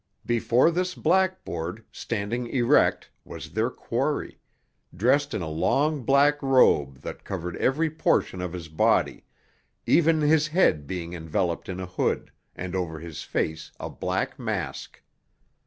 Before this blackboard, standing erect, was their quarry—dressed in a long black robe that covered every portion of his body, even his head being enveloped in a hood, and over his face a black mask.